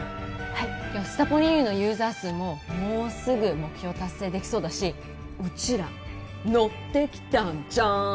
はいスタポニＵのユーザー数ももうすぐ目標達成できそうだしうちらノッてきたんじゃん